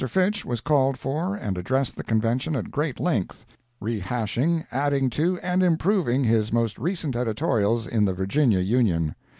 Fitch was called for and addressed the Convention at great length, re hashing, adding to and improving his most recent editorials in the Virginia Union.